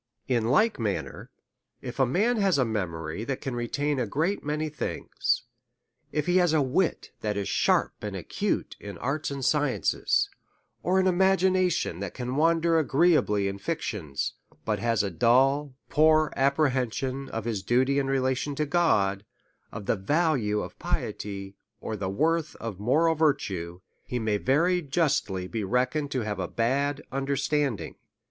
In like manner, if a man has a memory that can retain a great many things ; if he has a wit that is sharp and acute in arts and sciences, or an imagin ation thjit can wander agreeably in fictions, but has a dull poor apprehension of his duty and relation to God, of the value of piety, or the worth of moral vir tue, he may very justly be reckoned to have a bad un derstanding.